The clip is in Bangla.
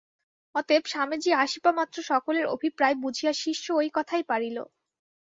অতএব স্বামীজী আসিবামাত্র সকলের অভিপ্রায় বুঝিয়া শিষ্য ঐ কথাই পাড়িল।